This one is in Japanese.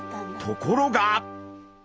ところが！